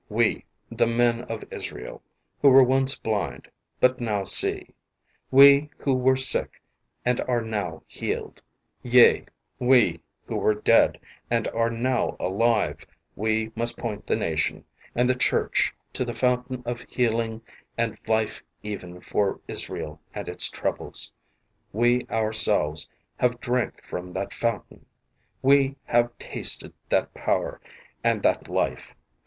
We, the men of Israel, who were once blind, but now see; we who were sick and are now healed ; yea, we who were dead and are now alive , we must point the nation, and the Church to the fountain of heal ing and life even for Israel and its troubles. We ourselves have drank from that Fountain. We have .tasted that power and that life.